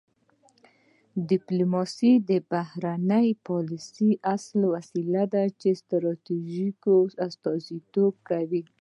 ډیپلوماسي د بهرنۍ پالیسۍ اصلي وسیله ده چې ستراتیژیو استازیتوب کوي